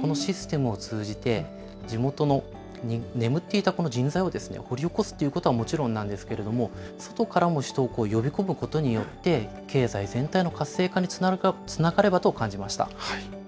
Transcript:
このシステムを通じて、地元に眠っていた人材を掘り起こすということはもちろんなんですけれども、外からも人を呼び込むことによって、経済全体の活性化につながればと感じました。